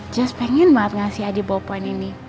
just pengen banget ngasih adi bau poin ini